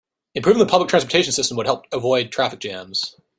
Improving the public transport system would help avoid traffic jams.